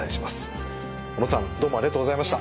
小野さんどうもありがとうございました。